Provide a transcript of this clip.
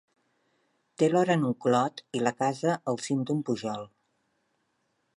Té l'hort en un clot i la casa al cim d'un pujol.